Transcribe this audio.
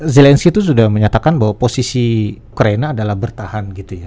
zelensky itu sudah menyatakan bahwa posisi ukraina adalah bertahan gitu ya